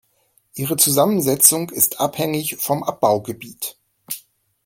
Ihre Zusammensetzung ist abhängig vom Abbaugebiet.